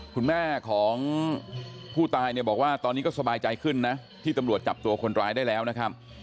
คุณแม่ของผู้ตายเนี่ยบอกว่าตอนนี้ก็สบายใจขึ้นนะที่ตำรวจจับตัวคนร้ายได้แล้วนะครับ